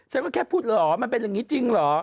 ฉันก็แค่พูดเหรอมันเป็นอย่างนี้จริงเหรอ